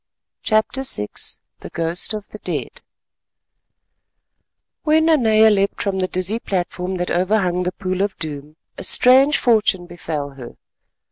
CHAPTER VI THE GHOST OF THE DEAD When Nanea leapt from the dizzy platform that overhung the Pool of Doom, a strange fortune befell her.